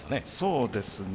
そうですね。